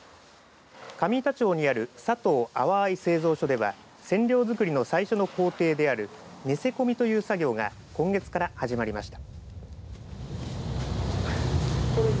上板町にある佐藤阿波藍製造所では染料作りの最初の工程である寝せ込みという作業が今月から始まりました。